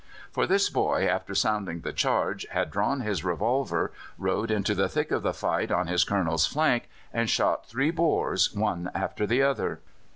For this boy, after sounding the charge, had drawn his revolver, rode into the thick of the fight on his Colonel's flank, and shot three Boers one after the other.